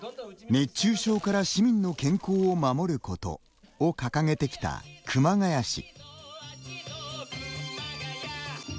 「熱中症から市民の健康を守ること」を掲げてきた熊谷市。